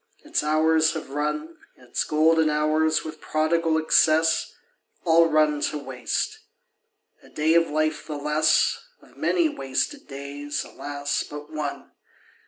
Its hours have run, Its golden hours, with prodigal excess, All run to waste. A day of life the less; Of many wasted days, alas, but one!